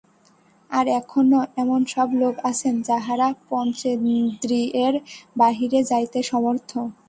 আর এখনও এমন সব লোক আছেন, যাঁহারা পঞ্চেন্দ্রিয়ের বাহিরে যাইতে সমর্থ।